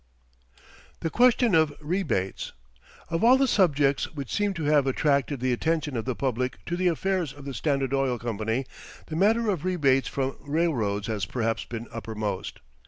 THE QUESTION OF REBATES Of all the subjects which seem to have attracted the attention of the public to the affairs of the Standard Oil Company, the matter of rebates from railroads has perhaps been uppermost.